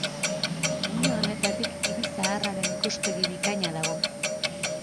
Muino honetatik hiri zaharraren ikuspegi bikaina dago.